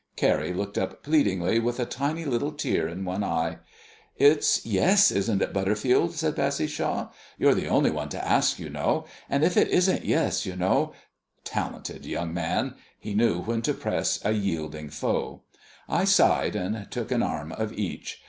Carrie looked up pleadingly, with a tiny little tear in one eye. "It's 'yes,' isn't it, Butterfield?" said Bassishaw. "You're the only one to ask, you know. And if it isn't 'yes,' you know " Talented young man! He knew when to press a yielding foe. I sighed, and took an arm of each.